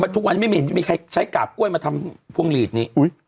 ทุกวันนี้ไม่เห็นมีใครใช้กาบกล้วยมาทำพวงหลีดนี้